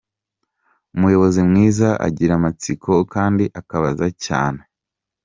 Umuyobozi mwiza agira amatsiko kandi akabaza cyane.